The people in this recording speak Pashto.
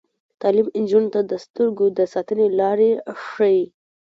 تعلیم نجونو ته د سترګو د ساتنې لارې ښيي.